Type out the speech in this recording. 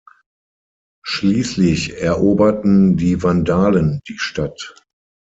Schließlich eroberten die Vandalen die Stadt.